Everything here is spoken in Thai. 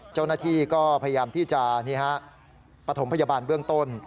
เจ้าหน้าที่ก็พยายามที่จะปฐมพยาบาลเบื้องต้น